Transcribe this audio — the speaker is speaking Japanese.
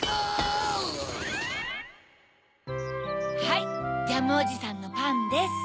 はいジャムおじさんのパンです。